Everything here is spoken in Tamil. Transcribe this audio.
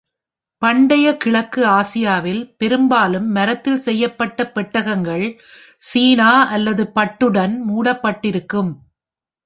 பண்டைய கிழக்கு ஆசியாவில், பெரும்பாலும் மரத்தில் செய்யப்பட்ட பெட்டகங்கள், சீனா, அல்லது பட்டுடன் மூடப்பட்டிருக்கும்.